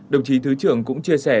đồng chí thứ trưởng cũng chia sẻ